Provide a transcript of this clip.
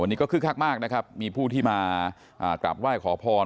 วันนี้ก็คึกคักมากนะครับมีผู้ที่มากราบไหว้ขอพร